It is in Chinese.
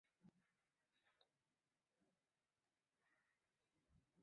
区域是行政区划的一种。